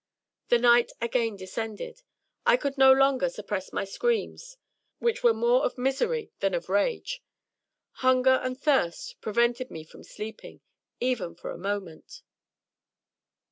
The night again descended. I could no longer suppress my screams, which were more of misery than of rage. Himger and thirst prevented me from sleeping, even for a moment.